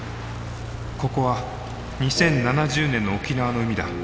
ここは２０７０年の沖縄の海だ。